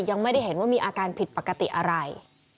ยังไม่ได้เห็นว่ามีอาการผิดปกติอะไร